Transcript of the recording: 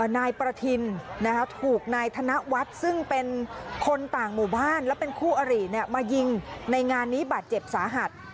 นายประทินถูกนายธนวัฒน์ซึ่งเป็นคนต่างหมู่บ้านและเป็นคู่อริมายิงในงานนี้บาดเจ็บสาหัส